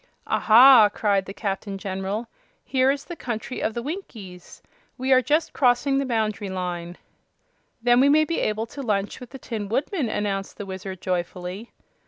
"Aha!" cried the Captain General; "here is the Country of the Winkies. We are just crossing the boundary line." "Then we may be able to lunch with the Tin Woodman," announced the Wizard, joyfully.